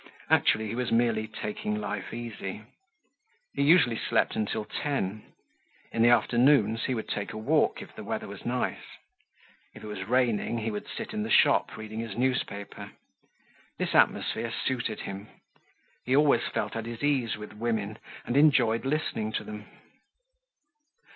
Actually he was merely taking life easy. He usually slept until ten. In the afternoons he would take a walk if the weather was nice. If it was raining, he would sit in the shop reading his newspaper. This atmosphere suited him. He always felt at his ease with women and enjoyed listening to them.